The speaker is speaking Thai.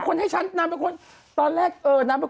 พี่แมว่ะแต่หนุ่มไม่ได้พี่แมว่ะแต่หนุ่มไม่ได้